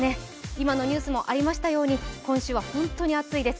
今のニュースもありましたように今週は本当に暑いです。